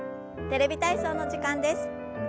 「テレビ体操」の時間です。